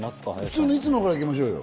普通にいつものほうから行きましょうよ。